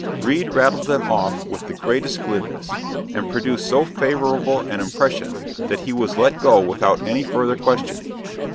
Reade rattled them off with the greatest glibness, and produced so favorable an impression that he was let go without any further questioning.